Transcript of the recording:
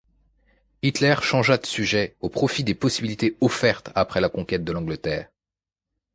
Hitler changea de sujet au profit des possibilités offertes après la conquête de l'Angleterre.